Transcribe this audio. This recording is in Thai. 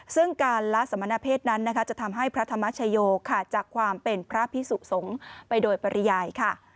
ซึ่งการละสมณเพศนั้นนะคะจะทำให้พระธรรมชโยขาดจากความเป็นพระพิสุสงฆ์ไปโดยปริยายค่ะ